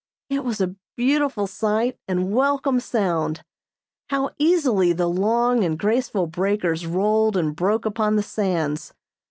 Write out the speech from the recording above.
It was a beautiful sight and welcome sound. How easily the long and graceful breakers rolled and broke upon the sands.